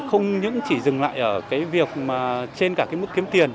mà không những chỉ dừng lại ở cái việc mà trên cả kế mức kiếm tiền